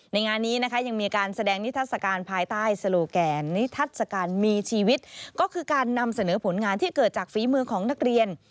งานนี้นะคะยังมีการแสดงนิทัศกาลภายใต้โลแกนนิทัศกาลมีชีวิตก็คือการนำเสนอผลงานที่เกิดจากฝีมือของนักเรียน